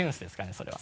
それは。